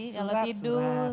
ih kalau tidur